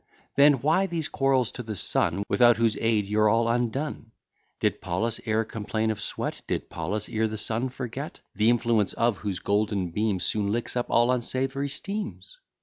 Then, why these quarrels to the sun, Without whose aid you're all undone? Did Paulus e'er complain of sweat? Did Paulus e'er the sun forget; The influence of whose golden beams Soon licks up all unsavoury steams?